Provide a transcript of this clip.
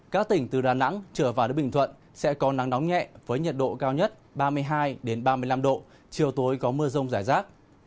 các tỉnh từ đà nẵng trở vào đến bình thuận sẽ có nắng nóng nhẹ với nhiệt độ cao nhất ba mươi hai ba mươi năm độ chiều tối có mưa rông rải rác